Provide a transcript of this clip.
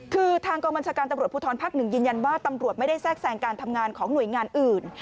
คือทางกรมชาการตำรวจพูดท้อนภักดิ์หนึ่งยินยันว่าตำรวจไม่ได้แทรกแสงการทำงานของหน่วยงานอื่น